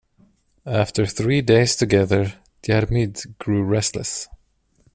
After three days together, Diarmuid grew restless.